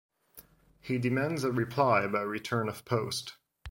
He demands a reply by return of post.